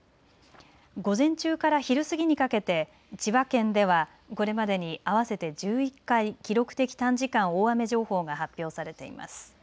午前中から昼過ぎにかけて千葉県ではこれまでに合わせて１１回記録的短時間大雨情報が発表されています。